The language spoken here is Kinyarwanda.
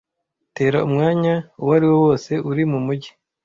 Tera umwanya uwariwo wose uri mumujyi.